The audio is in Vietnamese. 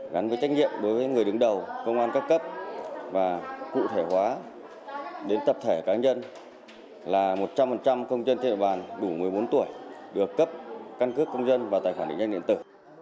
gắn với trách nhiệm đối với người đứng đầu công an các cấp và cụ thể hóa đến tập thể cá nhân là một trăm linh công dân trên địa bàn đủ một mươi bốn tuổi được cấp căn cước công dân và tài khoản định danh điện tử